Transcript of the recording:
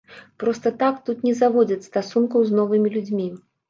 Проста так тут не заводзяць стасункаў з новымі людзьмі.